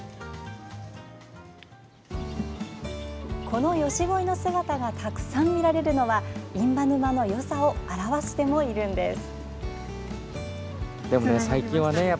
このヨシゴイの姿がたくさん見られるのは印旛沼のよさを表してもいるんです。